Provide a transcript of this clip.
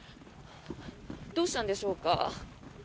どうしたんでしょうか。